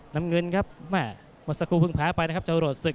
น้ำเงินครับหมดสกุลเพิ่งแพ้ไปนะครับอย่ารวดสึก